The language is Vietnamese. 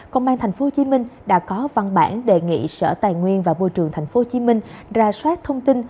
công an tp hcm đã có văn bản đề nghị sở tài nguyên và môi trường tp hcm ra soát thông tin